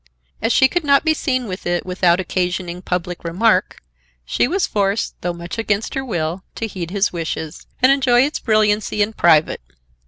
As she could not be seen with it without occasioning public remark, she was forced, though much against her will, to heed his wishes, and enjoy its brilliancy in private.